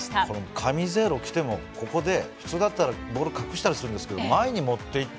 カゼミーロがきても普通だったらボールを隠したりするんですけど前に持っていった。